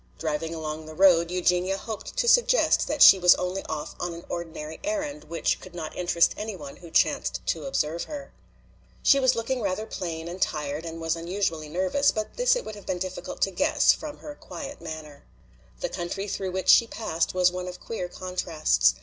Driving along the road Eugenia hoped to suggest that she was only off on an ordinary errand which could not interest any one who chanced to observe her. She was looking rather plain and tired and was unusually nervous, but this it would have been difficult to guess from her quiet manner. The country through which she passed was one of queer contrasts.